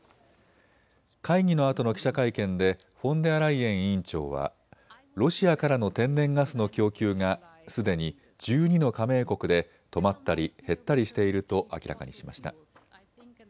会議のあとの記者会見でフォンデアライエン委員長はロシアからの天然ガスの供給がすでに１２の加盟国で止まったり減ったりしていると明らかにしました。